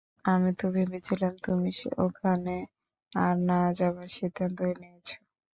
আমি তো ভেবেছিলাম তুমি ওখানে আর না যাবার সিদ্ধান্ত নিয়েছ।